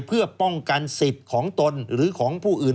เพื่อป้องกันสิทธิ์ของตนหรือของผู้อื่น